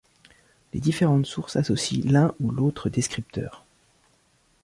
Les différentes sources associent l'un ou l'autre descripteur.